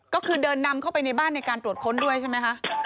ก็คือเดินนำเข้าไปในบ้านในการตรวจค้นด้วยใช่ไหมคะ